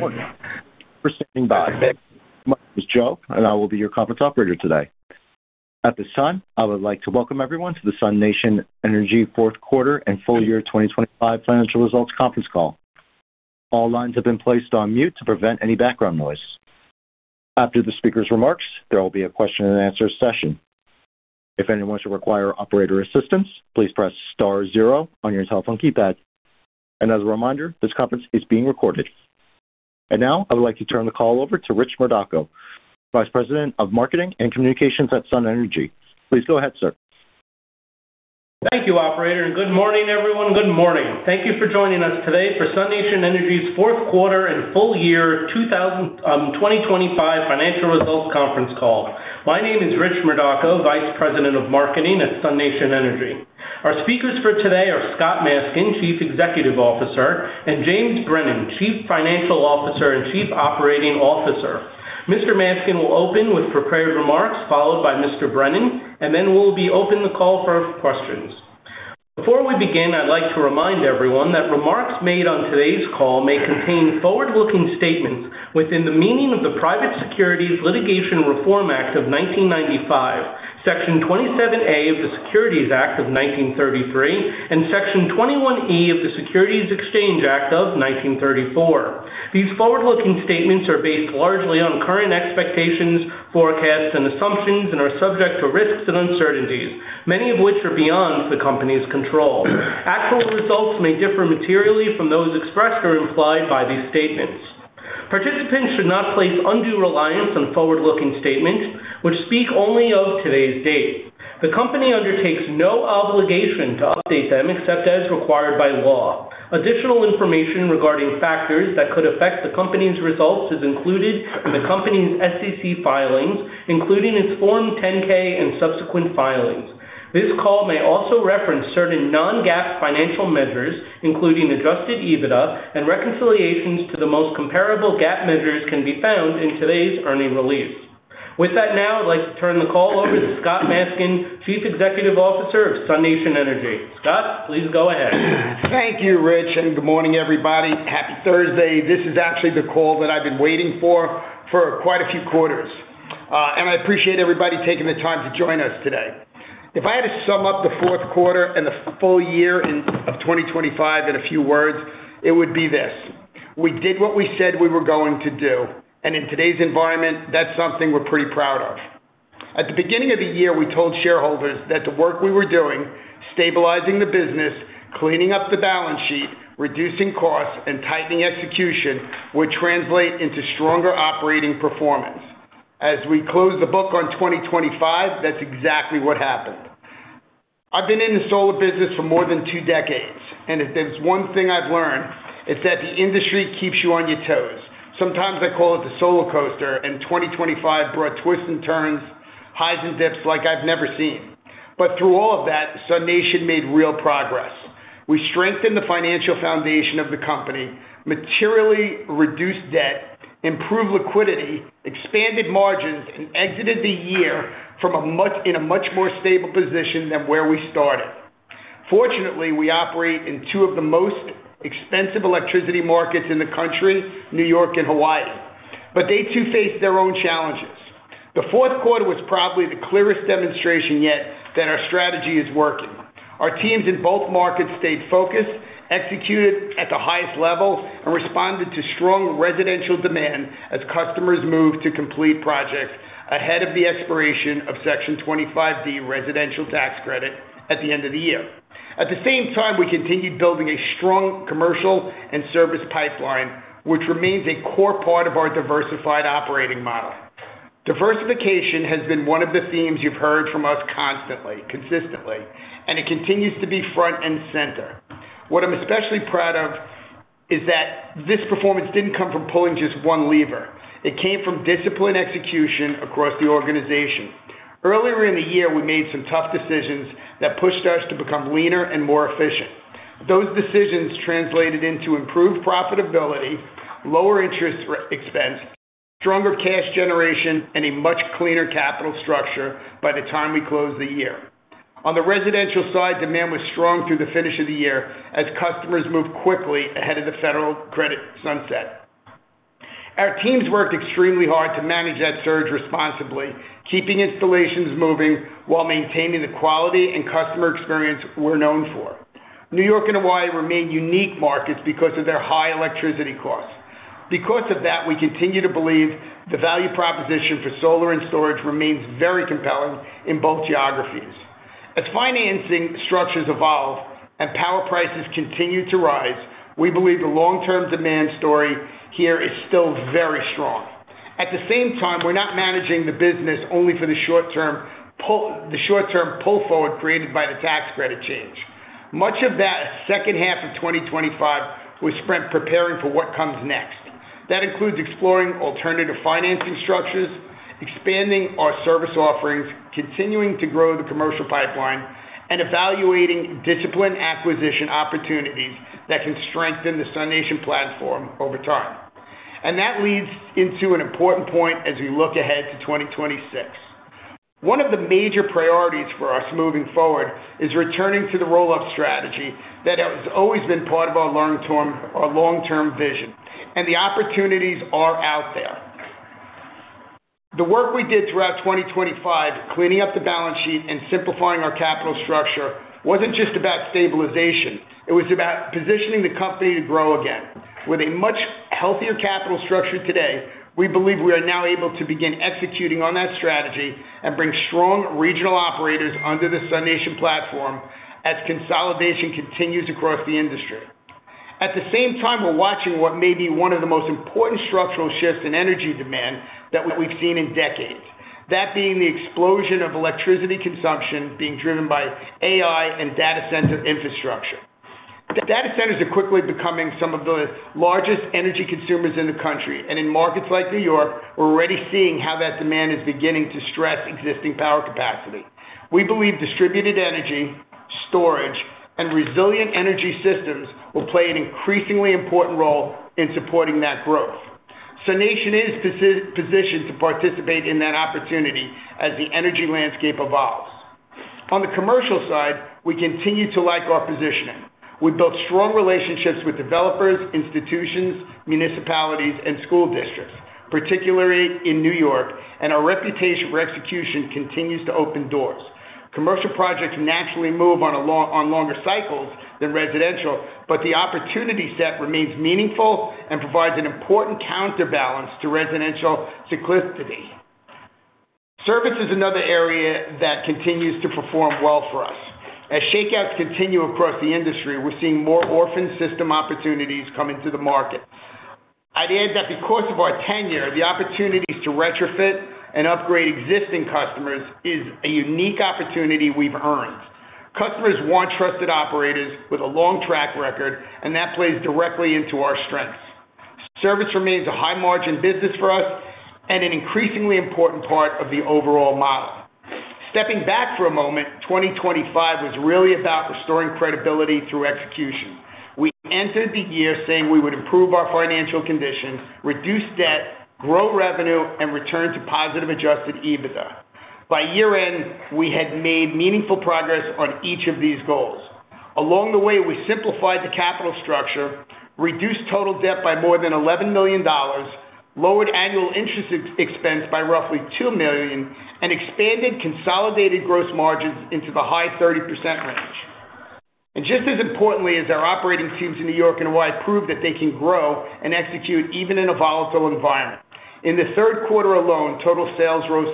Good morning. Thank you for standing by. My name is Joe, and I will be your conference operator today. At this time, I would like to welcome everyone to the SUNation Energy Fourth Quarter and Full Year 2025 Financial Results Conference Call. All lines have been placed on mute to prevent any background noise. After the speaker's remarks, there will be a question and answer session. If anyone should require operator assistance, please press star zero on your telephone keypad. As a reminder, this conference is being recorded. Now I would like to turn the call over to Rich Murdocco, Vice President of Marketing & Client Experience at SUNation Energy. Please go ahead, sir. Thank you, operator, and good morning, everyone. Good morning. Thank you for joining us today for SUNation Energy's fourth quarter and full year 2025 financial results conference call. My name is Rich Murdocco, Vice President of Marketing at SUNation Energy. Our speakers for today are Scott Maskin, Chief Executive Officer, and Jim Brennan, Chief Financial Officer and Chief Operating Officer. Mr. Maskin will open with prepared remarks, followed by Mr. Brennan, and then we'll open the call for questions. Before we begin, I'd like to remind everyone that remarks made on today's call may contain forward-looking statements within the meaning of the Private Securities Litigation Reform Act of 1995, Section 27A of the Securities Act of 1933, and Section 21E of the Securities Exchange Act of 1934. These forward-looking statements are based largely on current expectations, forecasts, and assumptions, and are subject to risks and uncertainties, many of which are beyond the company's control. Actual results may differ materially from those expressed or implied by these statements. Participants should not place undue reliance on forward-looking statements which speak only of today's date. The company undertakes no obligation to update them except as required by law. Additional information regarding factors that could affect the company's results is included in the company's SEC filings, including its Form 10-K and subsequent filings. This call may also reference certain non-GAAP financial measures, including adjusted EBITDA, and reconciliations to the most comparable GAAP measures can be found in today's earnings release. With that now I'd like to turn the call over to Scott Maskin, Chief Executive Officer of SUNation Energy. Scott, please go ahead. Thank you, Rich, and good morning, everybody. Happy Thursday. This is actually the call that I've been waiting for for quite a few quarters. I appreciate everybody taking the time to join us today. If I had to sum up the fourth quarter and the full year of 2025 in a few words, it would be this. We did what we said we were going to do, and in today's environment, that's something we're pretty proud of. At the beginning of the year, we told shareholders that the work we were doing, stabilizing the business, cleaning up the balance sheet, reducing costs, and tightening execution, would translate into stronger operating performance. As we close the book on 2025, that's exactly what happened. I've been in the solar business for more than two decades, and if there's one thing I've learned, it's that the industry keeps you on your toes. Sometimes I call it the solar coaster, and 2025 brought twists and turns, highs and dips like I've never seen. Through all of that, SUNation made real progress. We strengthened the financial foundation of the company, materially reduced debt, improved liquidity, expanded margins, and exited the year in a much more stable position than where we started. Fortunately, we operate in two of the most expensive electricity markets in the country, New York and Hawaii, but they too face their own challenges. The fourth quarter was probably the clearest demonstration yet that our strategy is working. Our teams in both markets stayed focused, executed at the highest level, and responded to strong residential demand as customers moved to complete projects ahead of the expiration of Section 25D residential tax credit at the end of the year. At the same time, we continued building a strong commercial and service pipeline, which remains a core part of our diversified operating model. Diversification has been one of the themes you've heard from us constantly, consistently, and it continues to be front and center. What I'm especially proud of is that this performance didn't come from pulling just one lever. It came from disciplined execution across the organization. Earlier in the year, we made some tough decisions that pushed us to become leaner and more efficient. Those decisions translated into improved profitability, lower interest expense, stronger cash generation, and a much cleaner capital structure by the time we closed the year. On the residential side, demand was strong through the finish of the year as customers moved quickly ahead of the federal credit sunset. Our teams worked extremely hard to manage that surge responsibly, keeping installations moving while maintaining the quality and customer experience we're known for. New York and Hawaii remain unique markets because of their high electricity costs. Because of that, we continue to believe the value proposition for solar and storage remains very compelling in both geographies. As financing structures evolve and power prices continue to rise, we believe the long-term demand story here is still very strong. At the same time, we're not managing the business only for the short term pull forward created by the tax credit change. Much of that second half of 2025 was spent preparing for what comes next. That includes exploring alternative financing structures, expanding our service offerings, continuing to grow the commercial pipeline, and evaluating disciplined acquisition opportunities that can strengthen the SUNation platform over time. That leads into an important point as we look ahead to 2026. One of the major priorities for us moving forward is returning to the roll-up strategy that has always been part of our long-term vision, and the opportunities are out there. The work we did throughout 2025, cleaning up the balance sheet and simplifying our capital structure wasn't just about stabilization, it was about positioning the company to grow again. With a much healthier capital structure today, we believe we are now able to begin executing on that strategy and bring strong regional operators under the SUNation platform as consolidation continues across the industry. At the same time, we're watching what may be one of the most important structural shifts in energy demand that we've seen in decades. That being the explosion of electricity consumption being driven by AI and data center infrastructure. Data centers are quickly becoming some of the largest energy consumers in the country. In markets like New York, we're already seeing how that demand is beginning to stress existing power capacity. We believe distributed energy, storage, and resilient energy systems will play an increasingly important role in supporting that growth. SUNation is positioned to participate in that opportunity as the energy landscape evolves. On the commercial side, we continue to like our positioning. We've built strong relationships with developers, institutions, municipalities, and school districts, particularly in New York, and our reputation for execution continues to open doors. Commercial projects naturally move on longer cycles than residential, but the opportunity set remains meaningful and provides an important counterbalance to residential cyclicity. Service is another area that continues to perform well for us. As shakeouts continue across the industry, we're seeing more orphan system opportunities coming to the market. I'd add that the course of our tenure, the opportunities to retrofit and upgrade existing customers is a unique opportunity we've earned. Customers want trusted operators with a long track record, and that plays directly into our strengths. Service remains a high-margin business for us and an increasingly important part of the overall model. Stepping back for a moment, 2025 was really about restoring credibility through execution. We entered the year saying we would improve our financial condition, reduce debt, grow revenue, and return to positive adjusted EBITDA. By year-end, we had made meaningful progress on each of these goals. Along the way, we simplified the capital structure, reduced total debt by more than $11 million, lowered annual interest expense by roughly $2 million, and expanded consolidated gross margins into the high 30% range. Just as importantly as our operating teams in New York and Hawaii proved that they can grow and execute even in a volatile environment. In the third quarter alone, total sales rose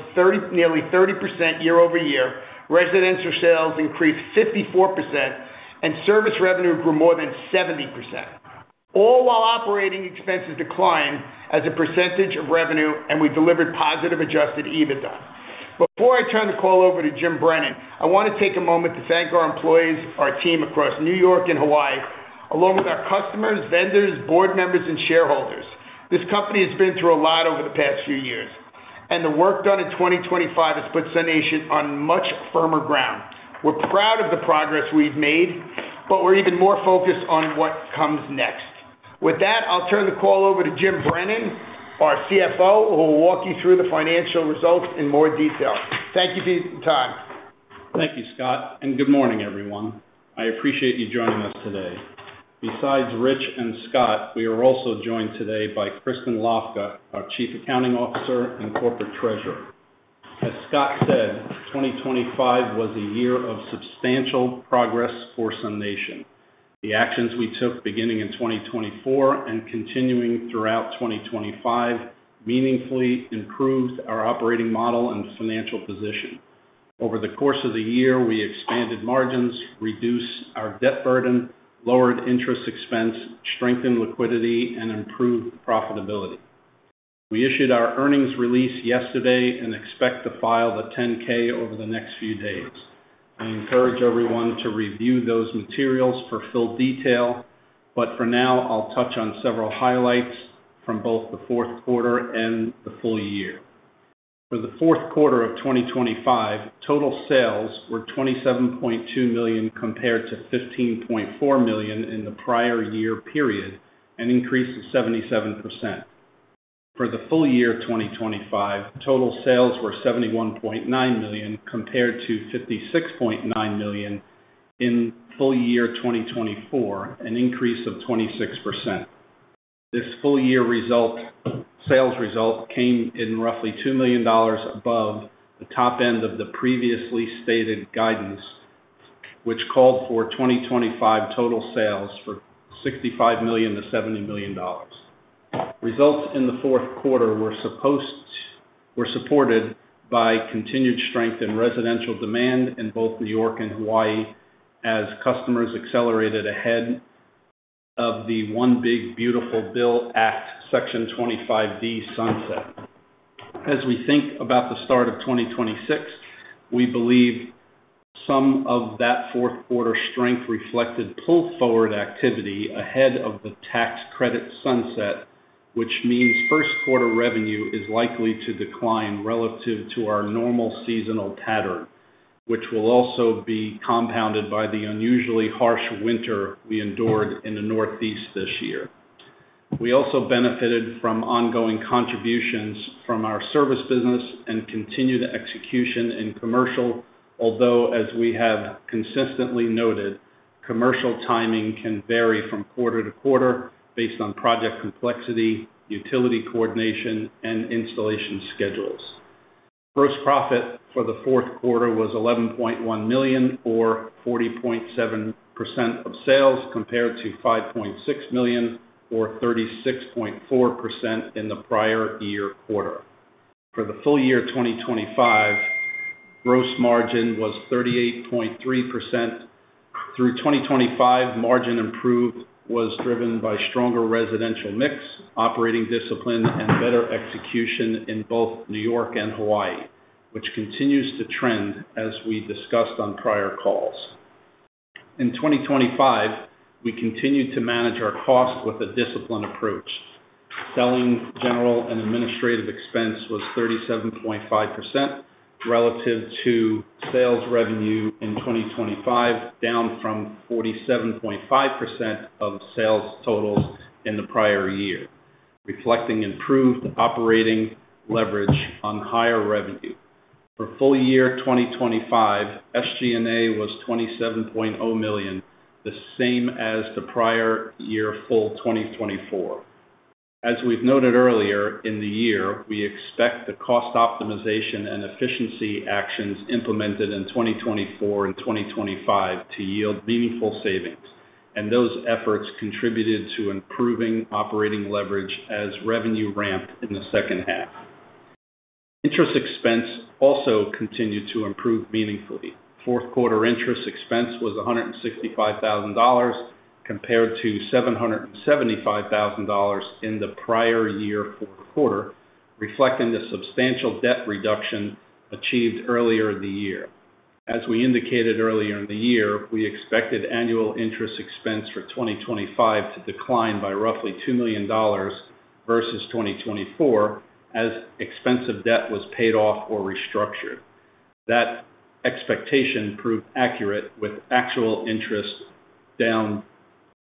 nearly 30% year-over-year, residential sales increased 54%, and service revenue grew more than 70%, all while operating expenses declined as a percentage of revenue, and we delivered positive adjusted EBITDA. Before I turn the call over to Jim Brennan, I wanna take a moment to thank our employees, our team across New York and Hawaii, along with our customers, vendors, board members, and shareholders. This company has been through a lot over the past few years, and the work done in 2025 has put SUNation on much firmer ground. We're proud of the progress we've made, but we're even more focused on what comes next. With that, I'll turn the call over to Jim Brennan, our CFO, who will walk you through the financial results in more detail. Thank you for your time. Thank you, Scott, and good morning, everyone. I appreciate you joining us today. Besides Rich and Scott, we are also joined today by Kristin Hlavka, our Chief Accounting Officer and Corporate Treasurer. As Scott said, 2025 was a year of substantial progress for SUNation. The actions we took beginning in 2024 and continuing throughout 2025 meaningfully improved our operating model and financial position. Over the course of the year, we expanded margins, reduced our debt burden, lowered interest expense, strengthened liquidity, and improved profitability. We issued our earnings release yesterday and expect to file the 10-K over the next few days. I encourage everyone to review those materials for full detail, but for now, I'll touch on several highlights from both the fourth quarter and the full year. For the fourth quarter of 2025, total sales were $27.2 million compared to $15.4 million in the prior year period, an increase of 77%. For the full year of 2025, total sales were $71.9 million compared to $56.9 million in full year 2024, an increase of 26%. This full-year sales result came in roughly $2 million above the top end of the previously stated guidance, which called for 2025 total sales for $65 million-$70 million. Results in the fourth quarter were supported by continued strength in residential demand in both New York and Hawaii as customers accelerated ahead of the Inflation Reduction Act Section 25D sunset. As we think about the start of 2026, we believe some of that fourth quarter strength reflected pull-forward activity ahead of the tax credit sunset, which means first quarter revenue is likely to decline relative to our normal seasonal pattern, which will also be compounded by the unusually harsh winter we endured in the Northeast this year. We also benefited from ongoing contributions from our service business and continued execution in commercial. Although, as we have consistently noted, commercial timing can vary from quarter to quarter based on project complexity, utility coordination, and installation schedules. Gross profit for the fourth quarter was $11.1 million, or 40.7% of sales, compared to $5.6 million or 36.4% in the prior year quarter. For the full year 2025, gross margin was 38.3%. Through 2025, margin improvement was driven by stronger residential mix, operating discipline, and better execution in both New York and Hawaii, which continues to trend as we discussed on prior calls. In 2025, we continued to manage our costs with a disciplined approach. Selling, general, and administrative expense was 37.5% relative to sales revenue in 2025, down from 47.5% of sales totals in the prior year, reflecting improved operating leverage on higher revenue. For full year 2025, SG&A was $27.0 million, the same as the prior year full 2024. As we've noted earlier in the year, we expect the cost optimization and efficiency actions implemented in 2024 and 2025 to yield meaningful savings, and those efforts contributed to improving operating leverage as revenue ramped in the second half. Interest expense also continued to improve meaningfully. Fourth quarter interest expense was $165,000 compared to $775,000 in the prior year fourth quarter, reflecting the substantial debt reduction achieved earlier in the year. We indicated earlier in the year, we expected annual interest expense for 2025 to decline by roughly $2 million versus 2024 as expensive debt was paid off or restructured. That expectation proved accurate, with actual interest down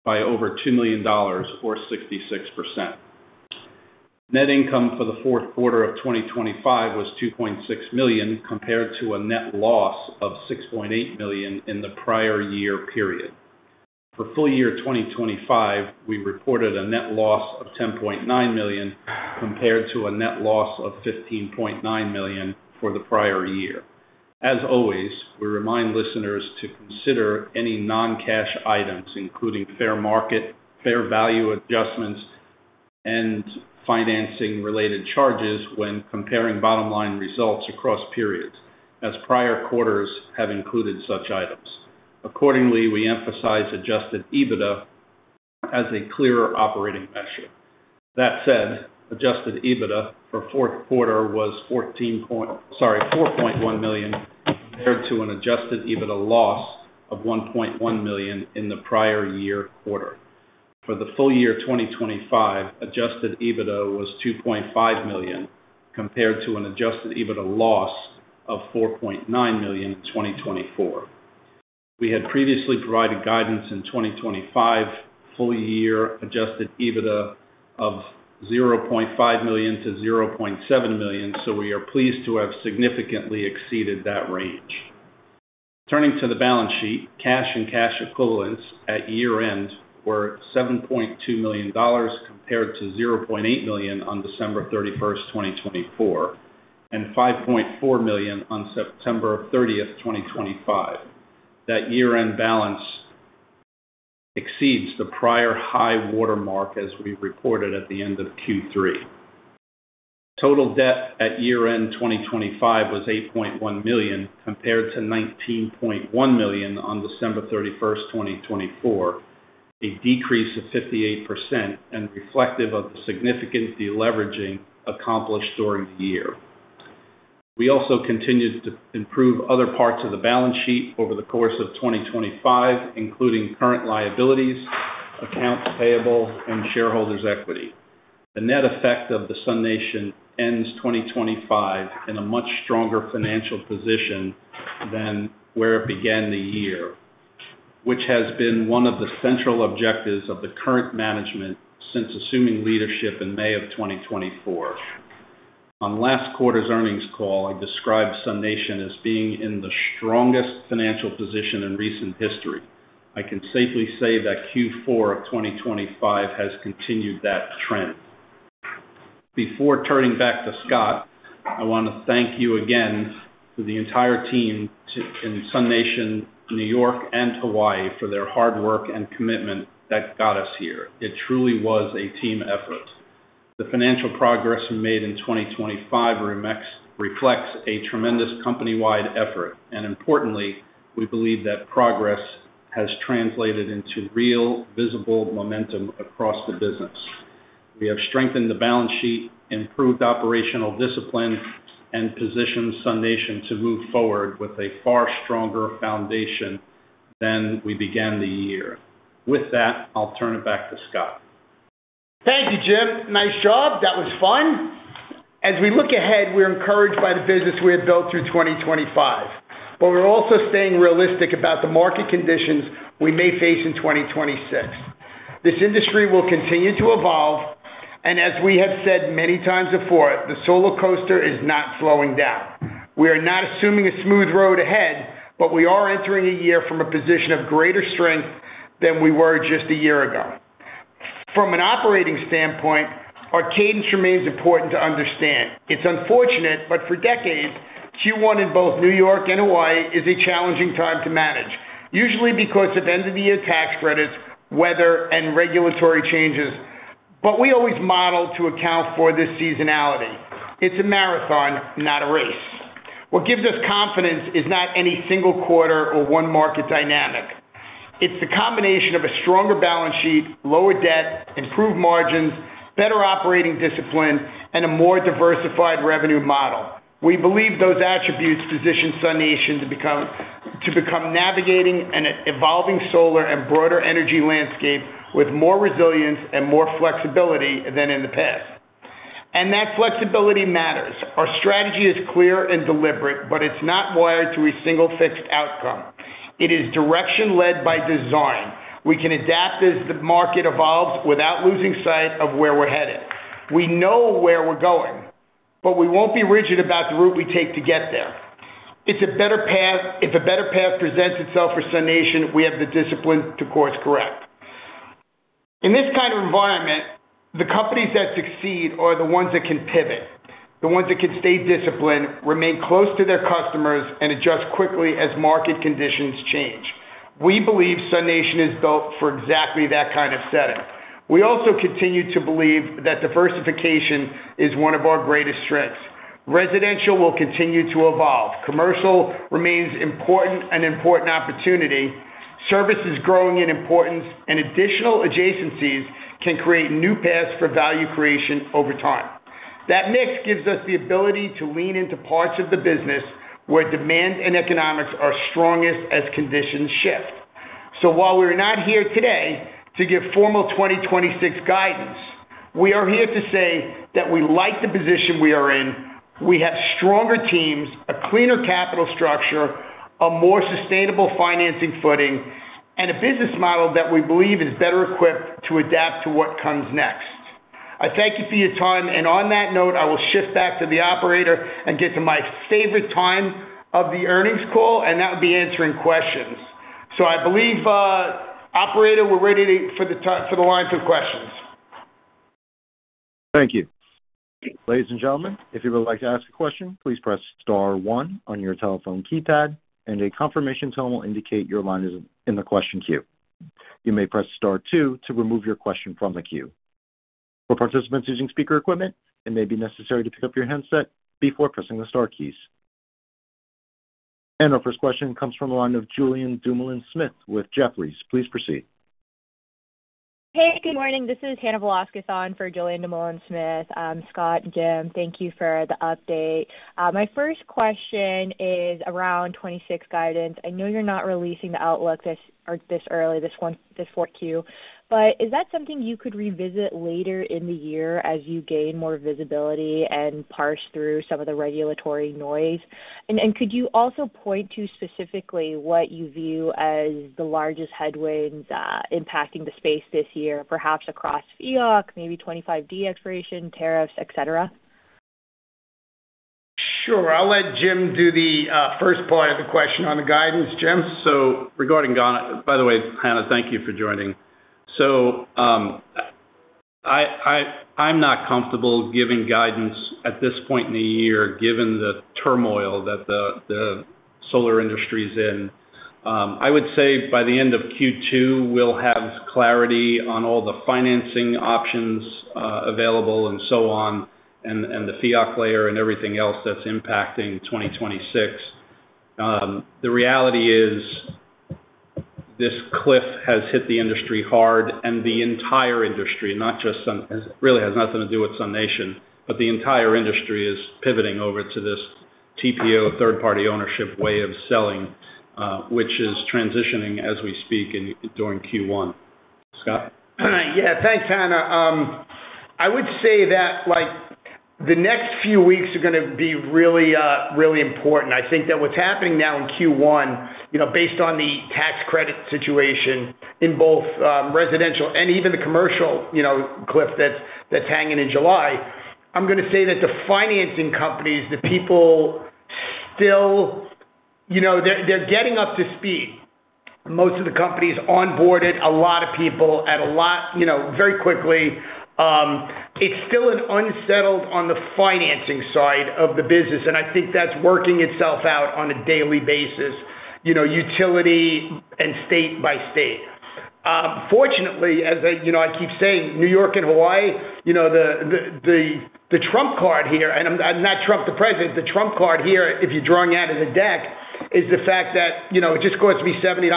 by over $2 million or 66%. Net income for the fourth quarter of 2025 was $2.6 million, compared to a net loss of $6.8 million in the prior year period. For full year 2025, we reported a net loss of $10.9 million, compared to a net loss of $15.9 million for the prior year. As always, we remind listeners to consider any non-cash items, including fair market, fair value adjustments, and financing-related charges when comparing bottom line results across periods, as prior quarters have included such items. Accordingly, we emphasize adjusted EBITDA as a clearer operating measure. That said, adjusted EBITDA for fourth quarter was $4.1 million compared to an adjusted EBITDA loss of $1.1 million in the prior year quarter. For the full year 2025, adjusted EBITDA was $2.5 million compared to an adjusted EBITDA loss of $4.9 million in 2024. We had previously provided guidance in 2025 full year adjusted EBITDA of $0.5 million-$0.7 million, we are pleased to have significantly exceeded that range. Turning to the balance sheet, cash and cash equivalents at year-end were $7.2 million compared to $0.8 million on December 31st, 2024, and $5.4 million on September 30th, 2025. That year-end balance exceeds the prior high watermark as we reported at the end of Q3. Total debt at year-end 2025 was $8.1 million compared to $19.1 million on December 31st, 2024, a decrease of 58% and reflective of the significant deleveraging accomplished during the year. We also continued to improve other parts of the balance sheet over the course of 2025, including current liabilities, accounts payable, and shareholders' equity. The net effect of the SUNation ends 2025 in a much stronger financial position than where it began the year, which has been one of the central objectives of the current management since assuming leadership in May of 2024. On last quarter's earnings call, I described SUNation as being in the strongest financial position in recent history. I can safely say that Q4 of 2025 has continued that trend. Before turning back to Scott, I want to thank you again to the entire team in SUNation, New York, and Hawaii for their hard work and commitment that got us here. It truly was a team effort. The financial progress we made in 2025 reflects a tremendous company-wide effort, and importantly, we believe that progress has translated into real visible momentum across the business. We have strengthened the balance sheet, improved operational discipline, and positioned SUNation to move forward with a far stronger foundation than we began the year. With that, I'll turn it back to Scott. Thank you, Jim. Nice job. That was fun. As we look ahead, we're encouraged by the business we have built through 2025, but we're also staying realistic about the market conditions we may face in 2026. This industry will continue to evolve, and as we have said many times before, the solar coaster is not slowing down. We are not assuming a smooth road ahead, but we are entering a year from a position of greater strength than we were just a year ago. From an operating standpoint, our cadence remains important to understand. It's unfortunate, but for decades, Q1 in both New York and Hawaii is a challenging time to manage, usually because of end-of-the-year tax credits, weather, and regulatory changes. We always model to account for this seasonality. It's a marathon, not a race. What gives us confidence is not any single quarter or one market dynamic. It's the combination of a stronger balance sheet, lower debt, improved margins, better operating discipline, and a more diversified revenue model. We believe those attributes position SUNation to become navigating an evolving solar and broader energy landscape with more resilience and more flexibility than in the past. That flexibility matters. Our strategy is clear and deliberate, but it's not wired to a single fixed outcome. It is direction led by design. We can adapt as the market evolves without losing sight of where we're headed. We know where we're going, but we won't be rigid about the route we take to get there. It's a better path, if a better path presents itself for SUNation, we have the discipline to course correct. In this kind of environment, the companies that succeed are the ones that can pivot, the ones that can stay disciplined, remain close to their customers, and adjust quickly as market conditions change. We believe SUNation is built for exactly that kind of setting. We also continue to believe that diversification is one of our greatest strengths. Residential will continue to evolve. Commercial remains important, an important opportunity. Service is growing in importance, and additional adjacencies can create new paths for value creation over time. That mix gives us the ability to lean into parts of the business where demand and economics are strongest as conditions shift. While we're not here today to give formal 2026 guidance, we are here to say that we like the position we are in. We have stronger teams, a cleaner capital structure, a more sustainable financing footing, and a business model that we believe is better equipped to adapt to what comes next. I thank you for your time, and on that note, I will shift back to the operator and get to my favorite time of the earnings call, and that would be answering questions. I believe, operator, we're ready for the lines of questions. Thank you. Ladies and gentlemen, if you would like to ask a question, please press star one on your telephone keypad and a confirmation tone will indicate your line is in the question queue. You may press star two to remove your question from the queue. For participants using speaker equipment, it may be necessary to pick up your handset before pressing the star keys. Our first question comes from the line of Julien Dumoulin-Smith with Jefferies. Please proceed. Hey, good morning. This is Hannah Velásquez on for Julien Dumoulin-Smith. Scott, Jim, thank you for the update. My first question is around 2026 guidance. I know you're not releasing the outlook this early in this fourth quarter, but is that something you could revisit later in the year as you gain more visibility and parse through some of the regulatory noise? And could you also point to specifically what you view as the largest headwinds impacting the space this year? Perhaps across FEOC, maybe 25D expiration, tariffs, et cetera. Sure. I'll let Jim do the first part of the question on the guidance. Jim? By the way, Hannah, thank you for joining. I'm not comfortable giving guidance at this point in the year given the turmoil that the solar industry's in. I would say by the end of Q2, we'll have clarity on all the financing options available and so on, and the FEOC layer and everything else that's impacting 2026. The reality is this cliff has hit the industry hard and the entire industry, not just SUNation. It really has nothing to do with SUNation Energy, but the entire industry is pivoting over to this TPO, third-party ownership way of selling, which is transitioning as we speak during Q1. Scott? Yeah, thanks, Hannah. I would say that, like, the next few weeks are gonna be really important. I think that what's happening now in Q1, you know, based on the tax credit situation in both residential and even the commercial, you know, cliff that's hanging in July. I'm gonna say that the financing companies, the people still, you know, they're getting up to speed. Most of the companies onboarded a lot of people at a lot, you know, very quickly. It's still unsettled on the financing side of the business, and I think that's working itself out on a daily basis, you know, utility and state by state. Fortunately, as I, you know, I keep saying, New York and Hawaii, you know, the Trump card here, not Trump the president, the Trump card here, if you're drawing out of the deck, is the fact that, you know, it just costs me $70,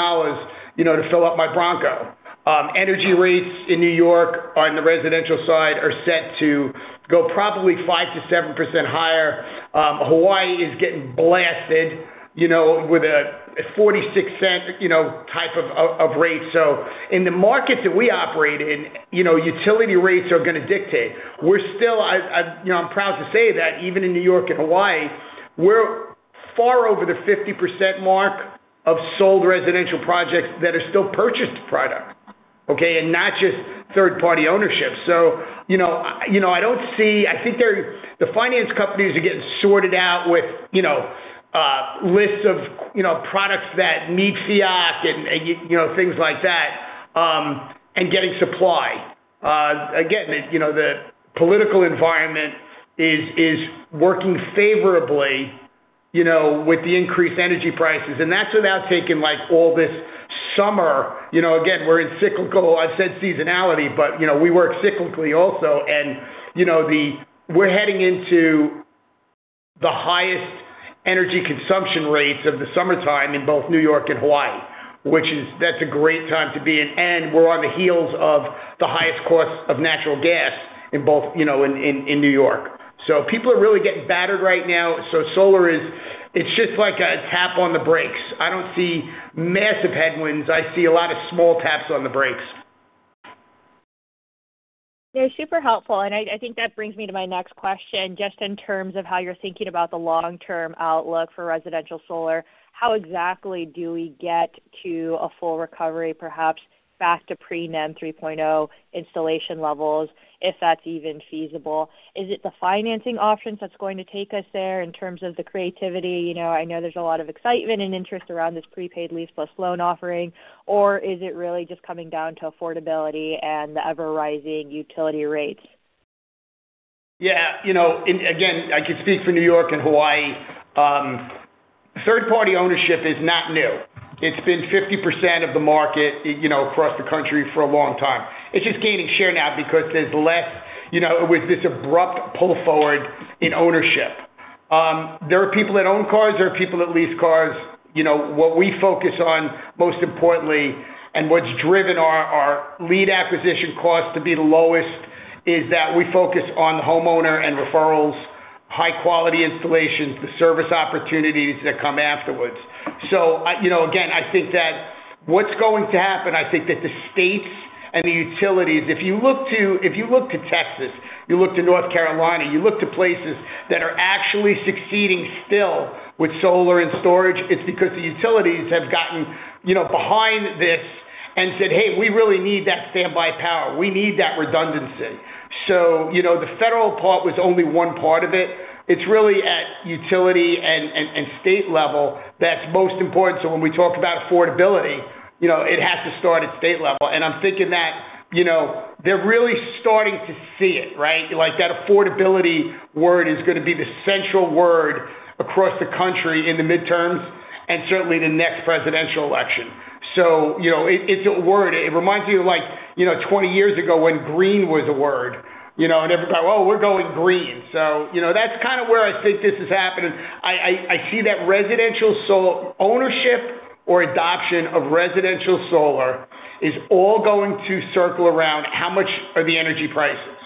you know, to fill up my Bronco. Energy rates in New York on the residential side are set to go probably 5%-7% higher. Hawaii is getting blasted, you know, with a $0.46 type of rate. In the markets that we operate in, you know, utility rates are gonna dictate. We're still, you know, I'm proud to say that even in New York and Hawaii, we're far over the 50% mark of sold residential projects that are still purchased product, okay, and not just third-party ownership. I don't see. I think the finance companies are getting sorted out with, you know, lists of, you know, products that meet FEOC and, you know, things like that, and getting supply. Again, you know, the political environment is working favorably, you know, with the increased energy prices. That's without taking, like, all this summer. You know, again, we're in cyclical. I said seasonality, but, you know, we work cyclically also. You know, the-- We're heading into the highest energy consumption rates of the summertime in both New York and Hawaii, which is a great time to be in. We're on the heels of the highest cost of natural gas in both, you know, in New York. People are really getting battered right now, so solar is. It's just like a tap on the brakes. I don't see massive headwinds. I see a lot of small taps on the brakes. They're super helpful, and I think that brings me to my next question, just in terms of how you're thinking about the long-term outlook for residential solar. How exactly do we get to a full recovery, perhaps back to pre-NEM 3.0 installation levels, if that's even feasible? Is it the financing options that's going to take us there in terms of the creativity? You know, I know there's a lot of excitement and interest around this prepaid lease plus loan offering, or is it really just coming down to affordability and the ever-rising utility rates? Yeah. You know, again, I can speak for New York and Hawaii. Third-party ownership is not new. It's been 50% of the market, you know, across the country for a long time. It's just gaining share now because there's less, you know, with this abrupt pull forward in ownership. There are people that own cars, there are people that lease cars. You know, what we focus on most importantly, and what's driven our lead acquisition cost to be the lowest is that we focus on the homeowner and referrals, high quality installations, the service opportunities that come afterwards. You know, again, I think that what's going to happen, the states and the utilities. If you look to Texas, you look to North Carolina, you look to places that are actually succeeding still with solar and storage, it's because the utilities have gotten, you know, behind this and said, "Hey, we really need that standby power. We need that redundancy." You know, the federal part was only one part of it. It's really at utility and state level that's most important. When we talk about affordability, you know, it has to start at state level. I'm thinking that, you know, they're really starting to see it, right? Like that affordability word is gonna be the central word across the country in the midterms and certainly the next presidential election. You know, it's a word. It reminds me of like, you know, 20 years ago when green was a word, you know, and everybody, "Oh, we're going green." You know, that's kind of where I think this is happening. I see that residential ownership or adoption of residential solar is all going to circle around how much are the energy prices,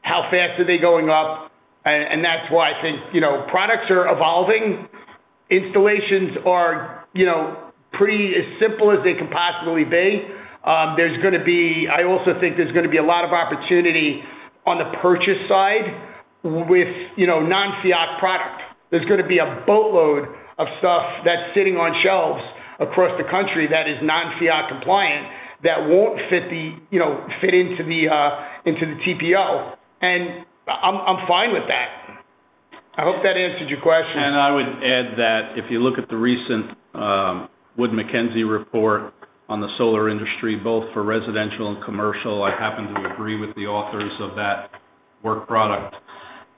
how fast are they going up. That's why I think, you know, products are evolving. Installations are, you know, pretty as simple as they can possibly be. I also think there's gonna be a lot of opportunity on the purchase side with, you know, non-FEOC product. There's gonna be a boatload of stuff that's sitting on shelves across the country that is non-FEOC compliant that won't fit into the TPO. I'm fine with that. I hope that answered your question. I would add that if you look at the recent Wood Mackenzie report on the solar industry, both for residential and commercial, I happen to agree with the authors of that work product.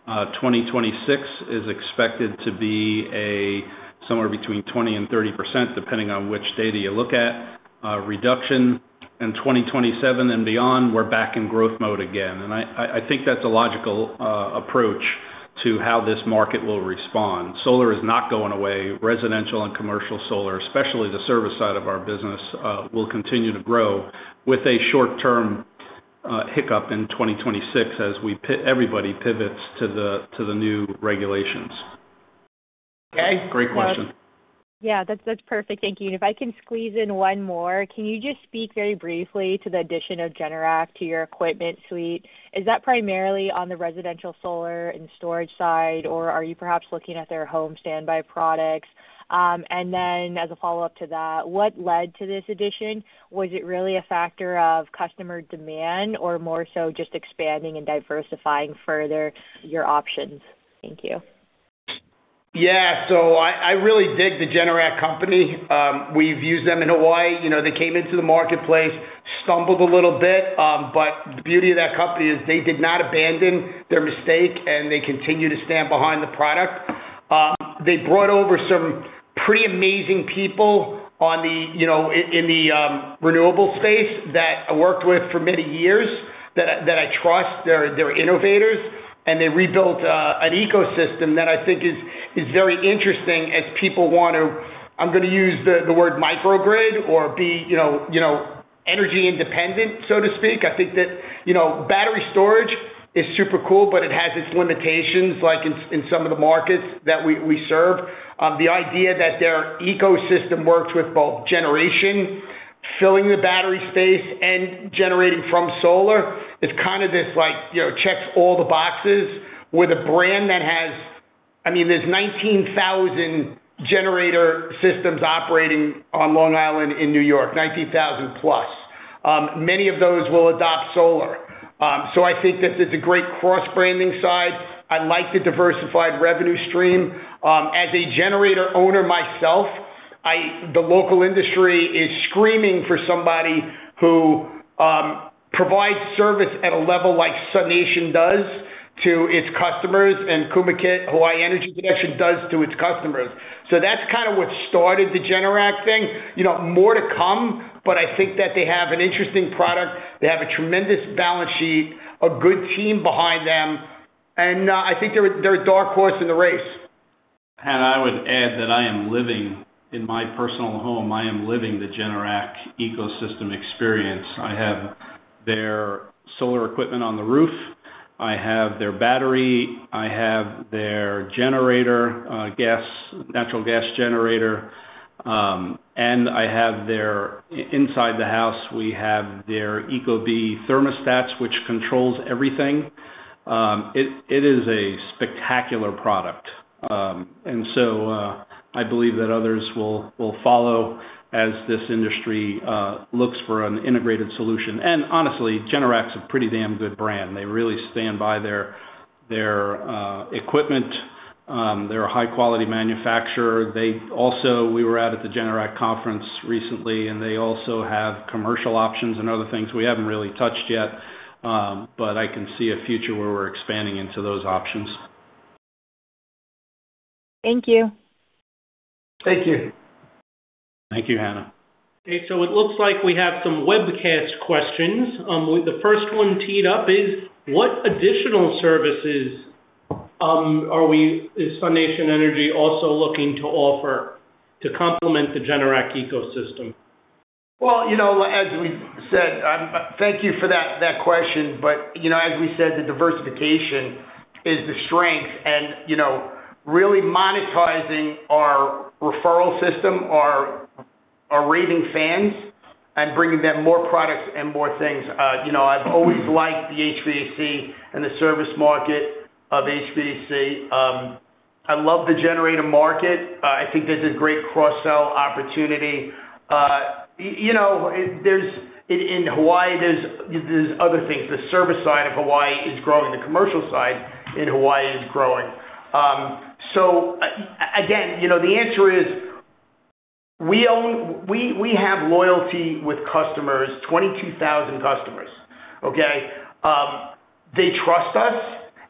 2026 is expected to be somewhere between 20%-30%, depending on which data you look at, reduction. In 2027 and beyond, we're back in growth mode again. I think that's a logical approach to how this market will respond. Solar is not going away. Residential and commercial solar, especially the service side of our business, will continue to grow with a short-term hiccup in 2026 as everybody pivots to the new regulations. Okay. Great question. Yeah. That's perfect. Thank you. If I can squeeze in one more. Can you just speak very briefly to the addition of Generac to your equipment suite? Is that primarily on the residential solar and storage side, or are you perhaps looking at their home standby products? Then as a follow-up to that, what led to this addition? Was it really a factor of customer demand or more so just expanding and diversifying further your options? Thank you. I really dig the Generac company. We've used them in Hawaii. You know, they came into the marketplace, stumbled a little bit, but the beauty of that company is they did not abandon their mistake, and they continue to stand behind the product. They brought over some pretty amazing people in the renewable space that I worked with for many years that I trust. They're innovators, and they rebuilt an ecosystem that I think is very interesting. I'm gonna use the word microgrid or be, you know, energy independent, so to speak. I think that, you know, battery storage is super cool, but it has its limitations, like in some of the markets that we serve. The idea that their ecosystem works with both generation, filling the battery space, and generating from solar is kinda this like, you know, checks all the boxes with a brand that has. I mean, there's 19,000 generator systems operating on Long Island in New York, 19,000+. Many of those will adopt solar. I think that there's a great cross-branding side. I like the diversified revenue stream. As a generator owner myself, the local industry is screaming for somebody who provides service at a level like SUNation does to its customers and KumuKit, Hawaii Energy Connection does to its customers. That's kinda what started the Generac thing. You know, more to come, but I think that they have an interesting product. They have a tremendous balance sheet, a good team behind them, and, I think they're a dark horse in the race. Hannah, I would add that in my personal home, I am living the Generac ecosystem experience. I have their solar equipment on the roof. I have their battery. I have their generator, natural gas generator. Inside the house, we have their ecobee thermostats, which controls everything. It is a spectacular product. I believe that others will follow as this industry looks for an integrated solution. Honestly, Generac's a pretty damn good brand. They really stand by their equipment. They're a high-quality manufacturer. They also we were out at the Generac conference recently, and they also have commercial options and other things we haven't really touched yet. I can see a future where we're expanding into those options. Thank you. Thank you. Thank you, Hannah. Okay, it looks like we have some webcast questions. The first one teed up is, what additional services is SUNation Energy also looking to offer to complement the Generac ecosystem? Well, you know, as we said, thank you for that question. You know, as we said, the diversification is the strength and, you know, really monetizing our referral system, our raving fans and bringing them more products and more things. You know, I've always liked the HVAC and the service market of HVAC. I love the generator market. I think there's a great cross-sell opportunity. You know, there's other things in Hawaii. The service side of Hawaii is growing. The commercial side in Hawaii is growing. So again, you know, the answer is we have loyalty with customers, 22,000 customers, okay? They trust us,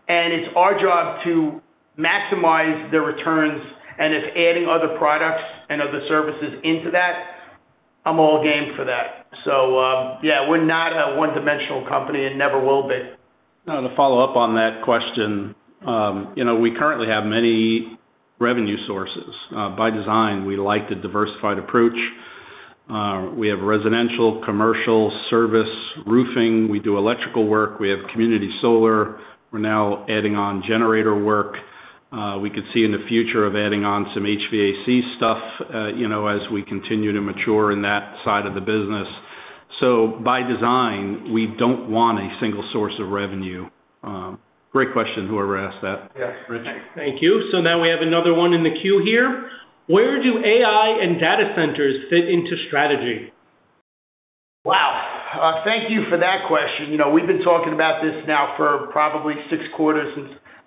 and it's our job to maximize their returns. If adding other products and other services into that, I'm all game for that. Yeah, we're not a one-dimensional company and never will be. To follow up on that question, you know, we currently have many revenue sources. By design, we like the diversified approach. We have residential, commercial, service, roofing. We do electrical work. We have community solar. We're now adding on generator work. We could see in the future of adding on some HVAC stuff, you know, as we continue to mature in that side of the business. By design, we don't want a single source of revenue. Great question, whoever asked that. Yes. Rich. Thank you. Now we have another one in the queue here. Where do AI and data centers fit into strategy? Wow. Thank you for that question. You know, we've been talking about this now for probably six quarters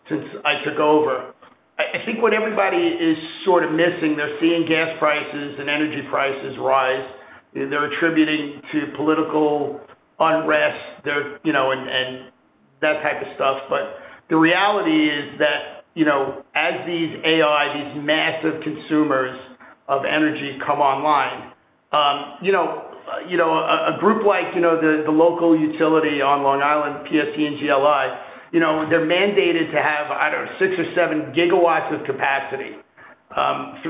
since I took over. I think what everybody is sort of missing, they're seeing gas prices and energy prices rise. They're attributing to political unrest. They're, you know, and that type of stuff. The reality is that, you know, as these AI, these massive consumers of energy come online, you know, a group like, you know, the local utility on Long Island, PSEG Long Island, you know, they're mandated to have, I don't know, six or seven gigawatts of capacity,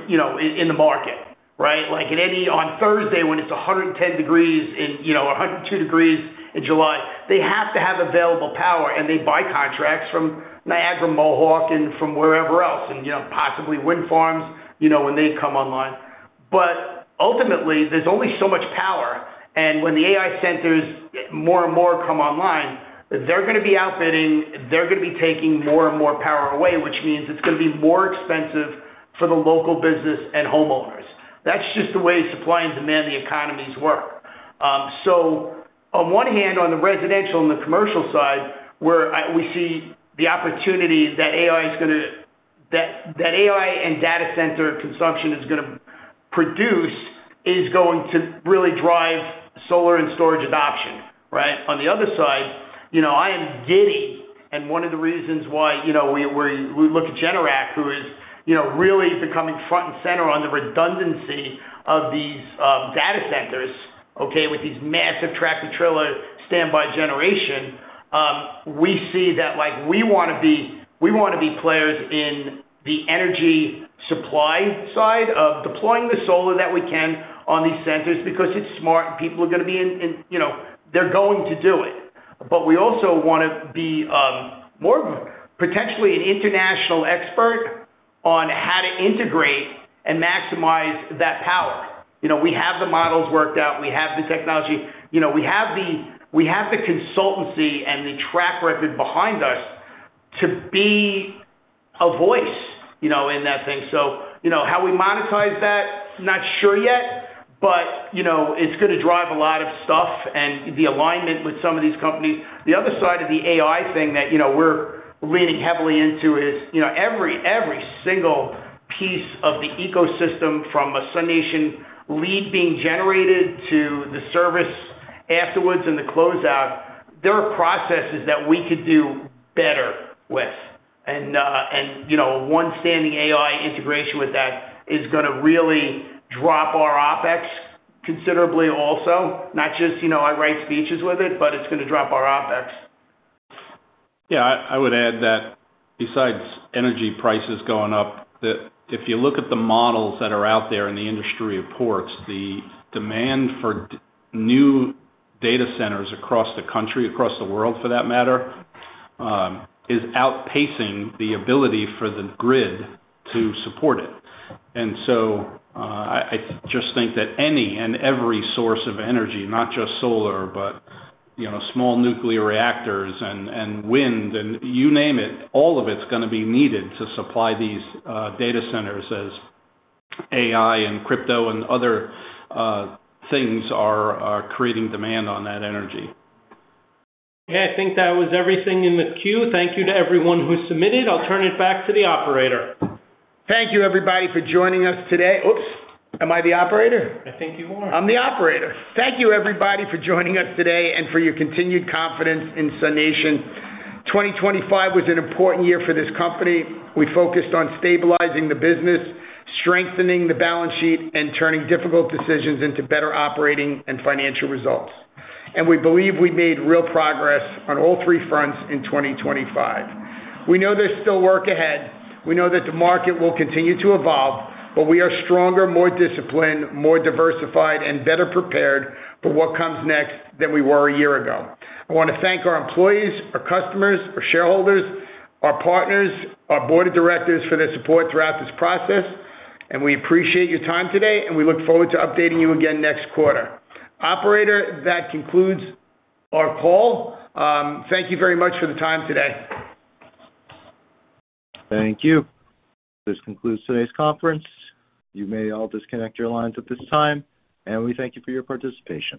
you know, in the market, right? Like in any. On Thursday, when it's 110 degrees in, you know, 102 degrees in July, they have to have available power, and they buy contracts from Niagara Mohawk and from wherever else and, you know, possibly wind farms, you know, when they come online. Ultimately, there's only so much power, and when the AI centers more and more come online, they're gonna be taking more and more power away, which means it's gonna be more expensive for the local business and homeowners. That's just the way supply and demand of the economies work. On one hand, on the residential and the commercial side, where we see the opportunity that AI and data center consumption is gonna produce, is going to really drive solar and storage adoption, right? On the other side, you know, I am giddy, and one of the reasons why, you know, we look at Generac who is, you know, really becoming front and center on the redundancy of these data centers, okay, with these massive tractor trailer standby generation, we see that like we wanna be players in the energy supply side of deploying the solar that we can on these centers because it's smart, people are gonna be in you know, they're going to do it. But we also wanna be more potentially an international expert on how to integrate and maximize that power. You know, we have the models worked out, we have the technology. You know, we have the consultancy and the track record behind us to be a voice, you know, in that thing. You know, how we monetize that, not sure yet, but, you know, it's gonna drive a lot of stuff and the alignment with some of these companies. The other side of the AI thing that, you know, we're leaning heavily into is, you know, every single piece of the ecosystem from a SUNation lead being generated to the service afterwards and the closeout, there are processes that we could do better with. You know, one standalone AI integration with that is gonna really drop our OpEx considerably also. Not just, you know, I write speeches with it, but it's gonna drop our OpEx. Yeah. I would add that besides energy prices going up, that if you look at the models that are out there in the industry reports, the demand for new data centers across the country, across the world for that matter, is outpacing the ability for the grid to support it. I just think that any and every source of energy, not just solar, but, you know, small nuclear reactors and wind and you name it, all of it's gonna be needed to supply these data centers as AI and crypto and other things are creating demand on that energy. Okay. I think that was everything in the queue. Thank you to everyone who submitted. I'll turn it back to the operator. Thank you everybody for joining us today. Oops, am I the operator? I think you are. I'm the operator. Thank you everybody for joining us today and for your continued confidence in SUNation. 2025 was an important year for this company. We focused on stabilizing the business, strengthening the balance sheet, and turning difficult decisions into better operating and financial results. We believe we made real progress on all three fronts in 2025. We know there's still work ahead. We know that the market will continue to evolve, but we are stronger, more disciplined, more diversified, and better prepared for what comes next than we were a year ago. I wanna thank our employees, our customers, our shareholders, our partners, our board of directors for their support throughout this process, and we appreciate your time today, and we look forward to updating you again next quarter. Operator, that concludes our call. Thank you very much for the time today. Thank you. This concludes today's conference. You may all disconnect your lines at this time, and we thank you for your participation.